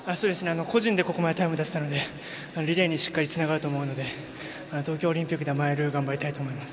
個人でここまでタイムを出せたのでリレーにしっかりつながると思うので東京オリンピックに出られるよう頑張りたいと思います。